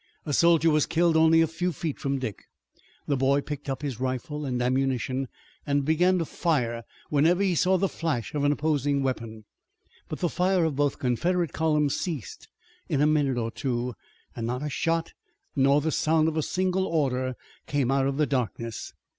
A soldier was killed only a few feet from Dick. The boy picked up his rifle and ammunition and began to fire whenever he saw the flash of an opposing weapon. But the fire of both Confederate columns ceased in a minute or two, and not a shot nor the sound of a single order came out of the darkness.